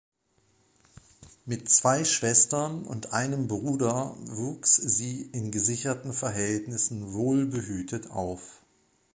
Mit zwei Schwestern und einem Bruder wuchs sie in gesicherten Verhältnissen wohlbehütet auf.